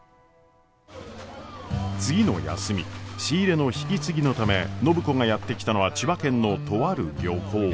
次の休み仕入れの引き継ぎのため暢子がやって来たのは千葉県のとある漁港。